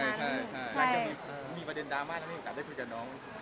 มีประเด็นดรามมากแล้วไม่มีโอกาสได้คุยกับน้อง